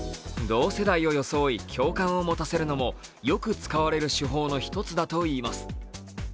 同世代を装い、共感を持たせるのもよく使われる手法の一つだといいます。